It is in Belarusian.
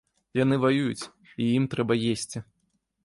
Яны ваююць, і ім трэба есці.